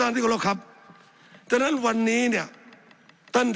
สับขาหลอกกันไปสับขาหลอกกันไป